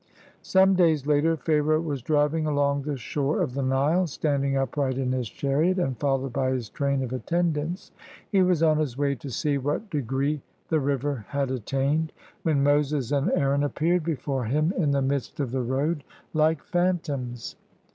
Some days later, Pharaoh was driving along the shore of the Nile, standing upright in his chariot and followed by his train of attendants, — he was on his way to see what degree the river had attained, — when Moses and Aaron appeared before him, in the midst of the road, 144 LET MY PEOPLE GO like phantoms.